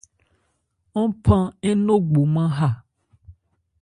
Ɔ́n phan ńnogbomán ha.